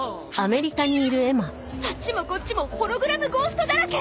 あっちもこっちもホログラムゴーストだらけ！